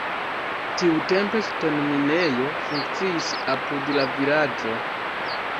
Tiutempe ŝtonminejo funkciis apud la vilaĝo.